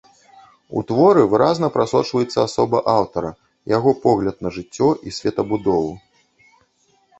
У творы выразна прасочваецца асоба аўтара, яго погляд на жыццё і светабудову.